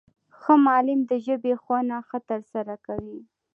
ښه معلم د ژبي ښوونه ښه ترسره کوي.